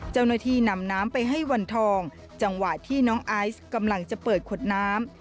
เจ้าหน้าที่นำน้ำไปให้วันทองจังหวะที่น้องไอซ์กำลังจะเปิดขวดน้ำ